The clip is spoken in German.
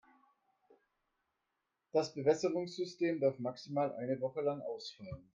Das Bewässerungssystem darf maximal eine Woche lang ausfallen.